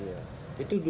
nggak tahu lagi ya